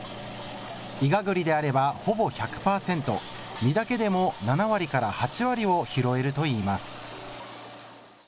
いがぐりであれば、ほぼ１００％、実だけでも７割から８割を拾えるといいます。